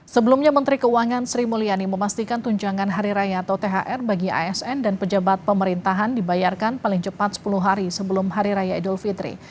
sebelumnya menteri keuangan sri mulyani memastikan tunjangan hari raya atau thr bagi asn dan pejabat pemerintahan dibayarkan paling cepat sepuluh hari sebelum hari raya idul fitri